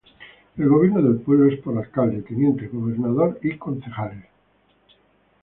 El gobierno del pueblo es por alcalde, teniente gobernador y concejales.